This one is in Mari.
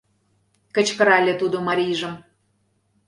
— кычкырале тудо марийжым.